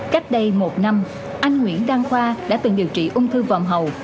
cách đây một năm anh nguyễn đăng khoa đã từng điều trị ung thư vòn hầu